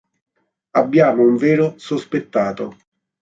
Abbiamo un vero sospettato.